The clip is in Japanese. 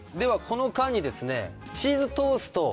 この間にですねチーズトーストを。